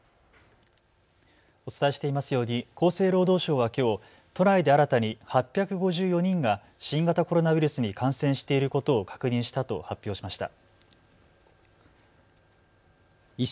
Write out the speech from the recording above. お伝えしていますように厚生労働省はきょう都内で新たに８５４人が新型コロナウイルスに感染していることを確認したと発表しました。